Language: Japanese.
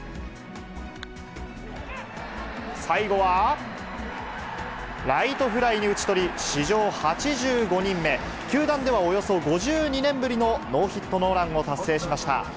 最後は、ライトフライに打ち取り、史上８５人目、球団ではおよそ５２年ぶりのノーヒットノーランを達成しました。